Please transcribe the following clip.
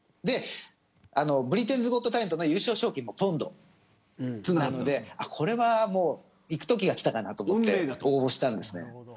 ブリテンズ・ゴット・タレントの優勝賞金もポンドなのでこれは行くときがきたなと思って応募したんですね。